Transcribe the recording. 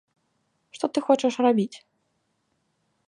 Што ты хочаш рабіць?